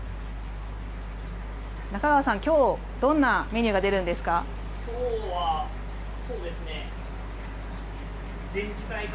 中川さん、今日はどんなメニューが出るんですか？